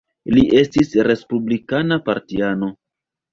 Li estis respublikana partiano.